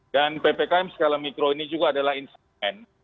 dan ppkm skala mikro ini juga adalah instrumen